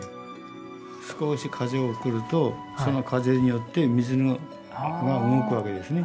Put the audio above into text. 少し風を送るとその風によって水が動くわけですね。